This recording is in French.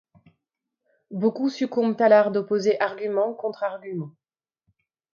Beaucoup succombent à l'art d'opposer arguments contre arguments.